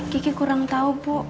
gigi kurang tahu bu